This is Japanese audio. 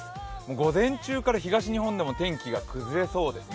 午前中から東日本でも天気が崩れそうですね。